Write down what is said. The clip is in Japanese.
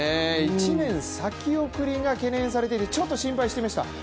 １年先送りが懸念されていてちょっと心配していました。